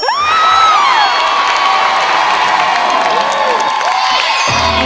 ร้องได้